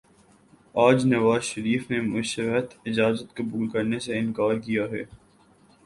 آج نواز شریف نے مشروط اجازت قبول کرنے سے انکار کیا ہے۔